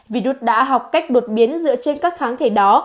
virus đã học cách đột biến dựa trên các kháng thể đó